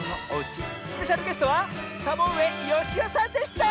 スペシャルゲストはサボうえよしおさんでした！